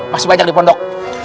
masih banyak di pondok